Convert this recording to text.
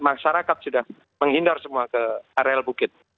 masyarakat sudah menghindar semua ke areal bukit